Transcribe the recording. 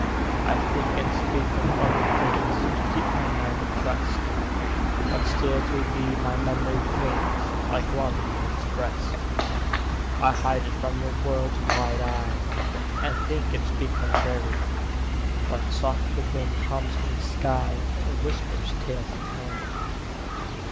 I think and speak of other things To keep my mind at rest, But still to thee my memory clings Like love in woman's breast. I hide it from the world's wide eye And think and speak contrary, But soft the wind comes from the sky And whispers tales of Mary.